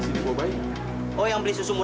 risiko bougang jika diieniempkan lestari mbak